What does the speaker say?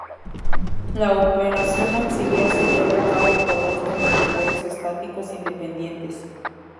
La operación auxiliar se lleva a cabo por dos convertidores estáticos independientes.